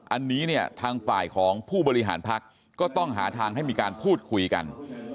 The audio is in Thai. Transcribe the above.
อันนี้เนี่ยทางฝ่ายของผู้บริหารพักก็ต้องหาทางให้มีการพูดคุยกัน